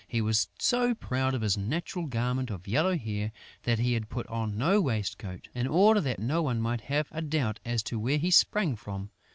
He was so proud of his natural garment of yellow hair that he had put on no waistcoat, in order that no one might have a doubt as to where he sprang from.